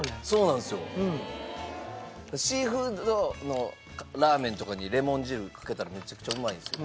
シーフードのラーメンとかにレモン汁かけたらめちゃくちゃうまいんですよね。